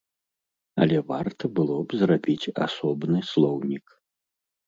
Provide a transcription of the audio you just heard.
Але варта было б зрабіць асобны слоўнік.